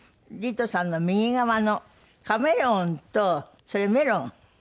リトさんの右側のカメレオンとそれメロン？